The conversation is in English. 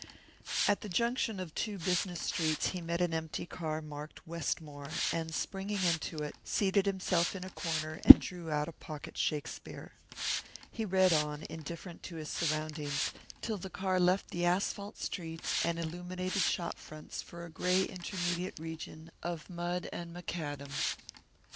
At the junction of two business streets he met an empty car marked "Westmore," and springing into it, seated himself in a corner and drew out a pocket Shakespeare. He read on, indifferent to his surroundings, till the car left the asphalt streets and illuminated shop fronts for a grey intermediate region of mud and macadam.